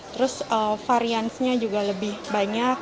terus variannya juga lebih banyak